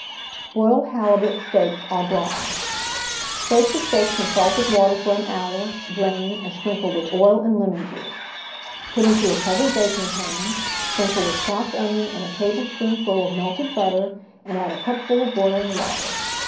BOILED HALIBUT STEAKS AU GRATIN Soak the steaks in salted water for an hour, drain, and sprinkle with oil and lemon juice. Put into a covered baking pan, sprinkle with chopped onion and a tablespoonful of melted butter, and add a cupful of boiling water.